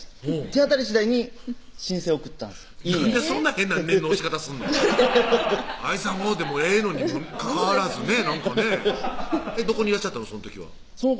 手当たり次第に申請送ったんですなんでそんな変な念の押し方すんの「愛さんを」でもええのにもかかわらずねなんかねどこにいらっしゃったの？